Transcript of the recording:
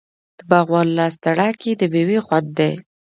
د باغوان لاس تڼاکې د میوې خوند دی.